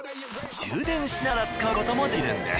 充電しながら使うこともできるんです。